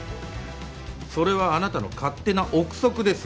それはあなたの勝手な臆測ですよね？